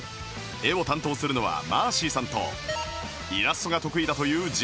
絵を担当するのは ＭＡＲＣＹ さんとイラストが得意だという ＪＩＭ さん